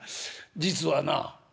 実はな」。